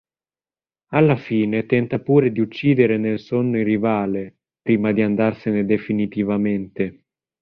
Alla fine tenta pure di uccidere nel sonno il rivale, prima di andarsene definitivamente.